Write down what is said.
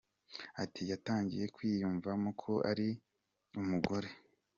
Ati “yatangiye kwiyumvano ko ari umugore”.